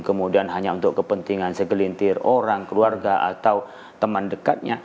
kemudian hanya untuk kepentingan segelintir orang keluarga atau teman dekatnya